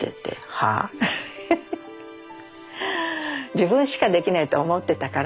自分しかできないって思ってたから。